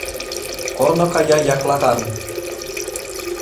Корно кая яклакан